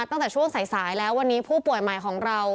ตั้งแต่ช่วงสายแล้ววันนี้ผู้ป่วยใหม่ของเรา